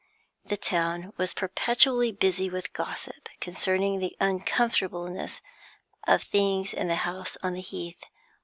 The town was perpetually busy with gossip concerning the uncomfortableness of things in the house on the Heath.